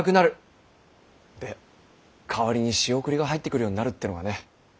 で代わりに仕送りが入ってくるようになるってのがね。